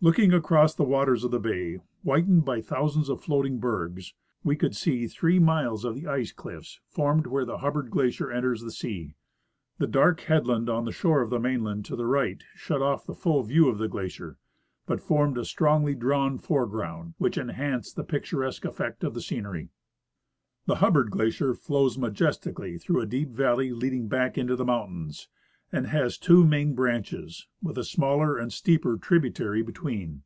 Looking across the waters of the bay, whitened by thousands of floating bergs, we could see three miles of the ice cliffs formed where the Hubbard glacier enters the sea. A dark headland on the shore of the mainland to the right shut off the full view of the glacier but formed a strongly drawn foreground, which en hanced the picturesque effect of the scenery. The Hubbard glacier flows majestically through a deep valley leading back into the mountains, and has two main branches, with a smaller and steelier tributary between.